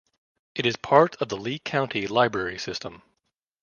It is part of the Lee County Library System.